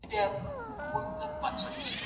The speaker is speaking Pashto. د دلارام په بازار کي مي تازه مېوه واخیستله